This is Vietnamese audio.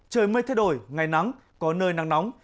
trời mây thay đổi ngày nắng có nơi nắng nóng